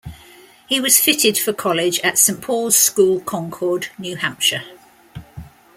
He was fitted for college at Saint Paul's School, Concord, New Hampshire.